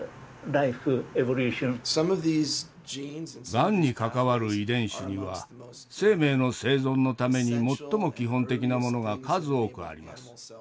がんにかかわる遺伝子には生命の生存のために最も基本的なものが数多くあります。